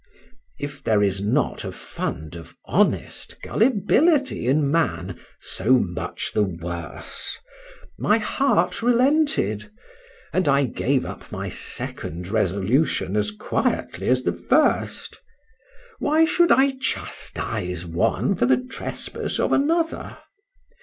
If there is not a fund of honest gullibility in man, so much the worse;—my heart relented, and I gave up my second resolution as quietly as the first.—Why should I chastise one for the trespass of another?